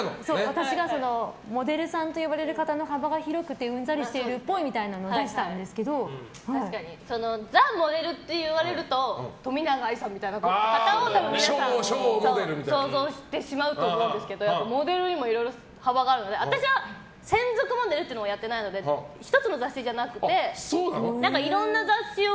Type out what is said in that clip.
私がモデルさんといわれる方の幅が広くてうんざりしているっぽいみたいなの確かにザ・モデルっていわれると冨永愛さんみたいな方を皆さん想像してしまうと思うんですけどモデルにもいろいろ幅があるので私は、専属モデルというのをやっていないので１つの雑誌っじゃなくていろんな雑誌を